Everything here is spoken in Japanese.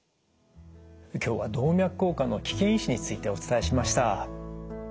今日は動脈硬化の危険因子についてお伝えしました。